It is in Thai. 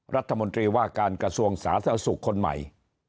รัฐมนตรีว่าการกระทรวงสาธารณสุขคนใหม่